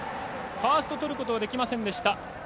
ファーストとることができませんでした。